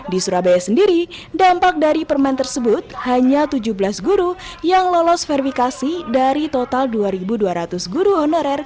di surabaya sendiri dampak dari permen tersebut hanya tujuh belas guru yang lolos verifikasi dari total dua dua ratus guru honorer